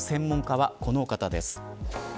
今日の専門家はこのお方です。